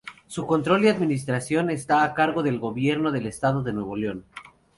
Su control y administración está a cargo del Gobierno del Estado de Nuevo León.